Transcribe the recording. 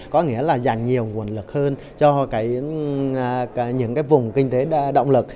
có nghĩa là dành nhiều nguồn lực hơn cho những cái vùng kinh tế động lực